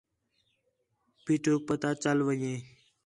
پیٹھوک پتہ چل ون٘ڄے